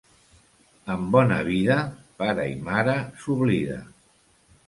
Amb bona vida, pare i mare s'oblida.